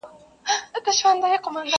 هم نسترن هم یې چینار ښکلی دی!.